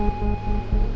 masalah dengan willy